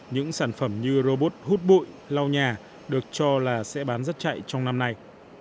những sản phẩm như robot hút bụi lau nhà được cho là sẽ bán rất chạy trong năm nay